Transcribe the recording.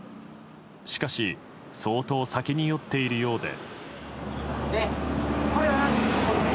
しかし、相当酒に酔っているようで。